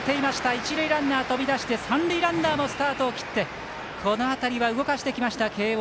一塁ランナー、飛び出して三塁ランナーもスタートを切ってこの辺りは動かしてきました慶応。